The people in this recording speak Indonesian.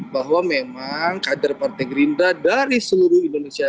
bahwa memang kader partai gerindra dari seluruh indonesia